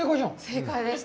正解でした。